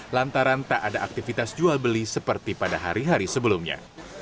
lantaran tak ada aktivitas jual beli seperti pada hari hari sebelumnya